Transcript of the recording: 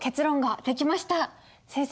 先生